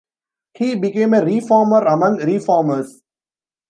He became a reformer among reformers.